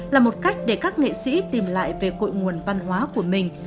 là một cách để các nghệ sĩ tìm lại về cội nguồn văn hóa của mình